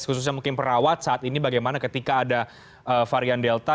khususnya mungkin perawat saat ini bagaimana ketika ada varian delta